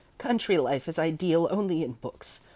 "Country life is ideal only in books.